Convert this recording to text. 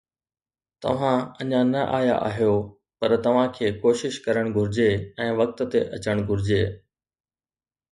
توهان اڃا نه آيا آهيو، پر توهان کي ڪوشش ڪرڻ گهرجي ۽ وقت تي اچڻ گهرجي.